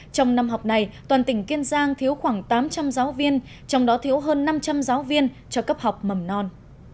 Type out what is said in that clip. trong năm học này toàn tỉnh kiên giang thiếu khoảng tám trăm linh giáo viên trong đó thiếu hơn năm trăm linh giáo viên cho cấp học mầm non